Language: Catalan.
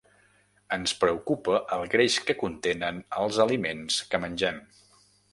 Ens preocupa el greix que contenen els aliments que mengem.